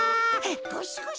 ゴシゴシ。